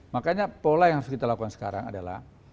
makanya pola yang harus kita lakukan sekarang adalah